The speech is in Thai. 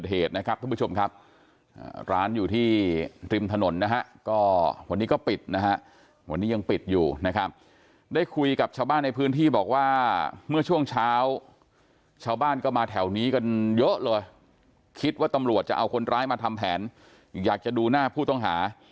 ใช่แค่อยากรู้เขาทำอย่างไรเห็นหน้าให้เฉยเพราะผมยังไม่เคยเห็นหน้าเลย